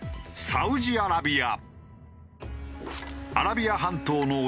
サウジアラビア。